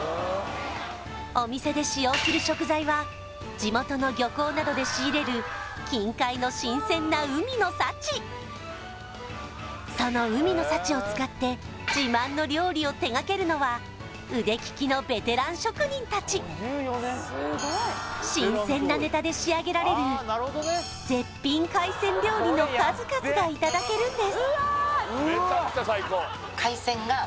お店で使用する食材は地元の漁港などで仕入れる近海の新鮮な海の幸その海の幸を使って自慢の料理を手がけるのは腕利きのベテラン職人達新鮮なネタで仕上げられる絶品海鮮料理の数々がいただけるんです